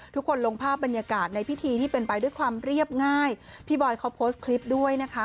ลงภาพบรรยากาศในพิธีที่เป็นไปด้วยความเรียบง่ายพี่บอยเขาโพสต์คลิปด้วยนะคะ